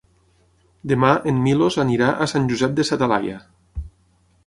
Demà en Milos anirà a Sant Josep de sa Talaia.